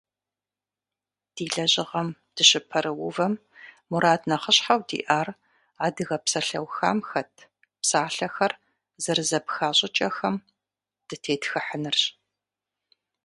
Ди лэжьыгъэм дыщыпэрыувэм мурад нэхъыщхьэу диӏар адыгэ псалъэухам хэт псалъэхэр зэрызэпха щӏыкӏэхэм дытетхыхьынырщ.